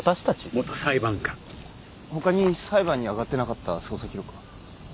元裁判官他に裁判にあがってなかった捜査記録は？